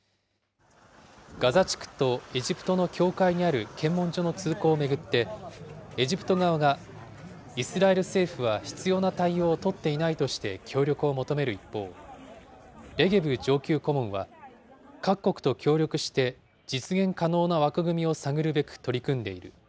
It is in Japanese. ガザ地区とエジプトの境界にある検問所の通行を巡って、エジプト側がイスラエル政府は必要な対応を取っていないとして協力を求める一方、レゲブ上級顧問は各国と協力して、実現可能な枠組みを探るべく取り組んでいる。